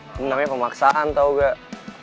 namanya pemaksaan tau gak